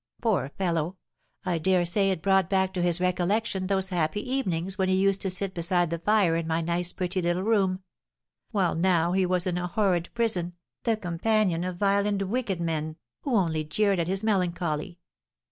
Poor fellow! I dare say it brought back to his recollection those happy evenings when he used to sit beside the fire in my nice, pretty little room; while now he was in a horrid prison, the companion of vile and wicked men, who only jeered at his melancholy.